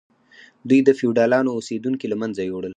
دوی د فیوډالانو اوسیدونکي له منځه یوړل.